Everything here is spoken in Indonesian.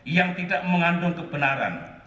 yang tidak mengandung kebenaran